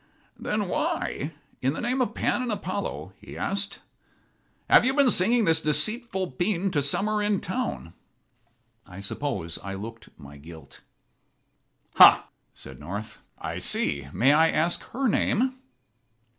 "Then why, in the name of Pan and Apollo," he asked, "have you been singing this deceitful pæan to summer in town?" I suppose I looked my guilt. "Ha," said North, "I see. May I ask her name?"